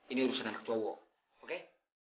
ini urusan anak cowok oke